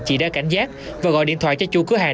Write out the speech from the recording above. chị đã cảnh giác và gọi điện thoại cho chủ cửa hàng